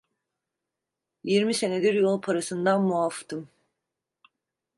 Yirmi senedir yol parasından muaftım.